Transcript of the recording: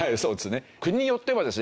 国によってはですね